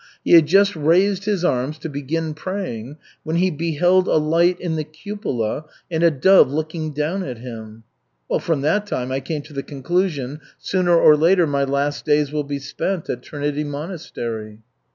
He had just raised his arms to begin praying when he beheld a light in the cupola and a dove looking down at him.' Well, from that time, I came to the conclusion, sooner or later my last days will be spent at Trinity Monastery."